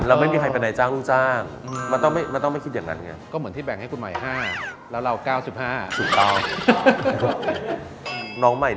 เราไม่มีใครไปในจ้างนะจ้า